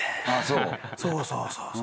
そうそうそうそう。